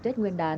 tết nguyên đán